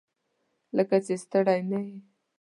لکه چې ستړی نه یې؟